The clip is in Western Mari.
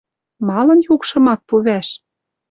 Малын юкшым ак пу вӓш?